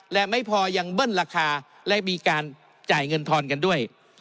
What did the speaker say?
และไม่พอยังเบิ้ลราคาและมีการจ่ายเงินทอนกันด้วย